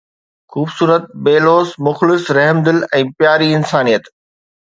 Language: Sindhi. خوبصورت، بي لوث، مخلص، رحمدل ۽ پياري انسانيت.